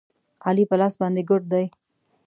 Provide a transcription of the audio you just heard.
علي په لاس باندې ګوډ دی.